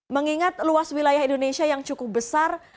mengingat luas wilayah indonesia yang cukup besar